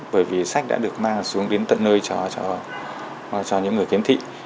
bởi vì sách đã được mang xuống đến tận nơi cho những người khiếm thị